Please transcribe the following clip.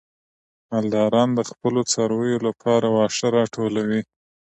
مالداران د خپلو څارویو لپاره واښه راټولوي.